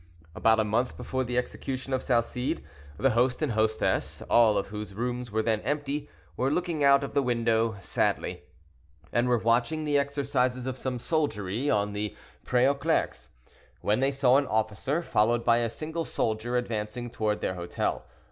About a month before the execution of Salcede, the host and hostess, all of whose rooms were then empty, were looking out of the window, sadly, and were watching the exercises of some soldiery on the Pre aux Clercs, when they saw an officer, followed by a single soldier, advancing toward their hotel.